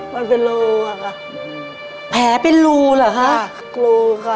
มันเป็นรูอ่ะค่ะแผลเป็นรูเหรอคะรูค่ะ